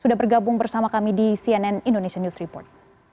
sudah bergabung bersama kami di cnn indonesia news report